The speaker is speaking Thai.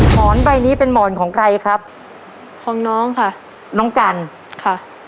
หมอนใบนี้เป็นหมอนของใครครับของน้องค่ะน้องกันค่ะ